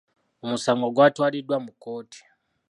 Omusango gwatwaliddwa mu kkooti.